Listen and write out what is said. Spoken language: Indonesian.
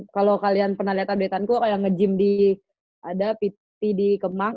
kalau kalian pernah liat update anku kayak nge gym di ada pt di kemang